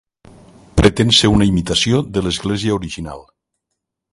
Pretén ser una imitació de l'església original.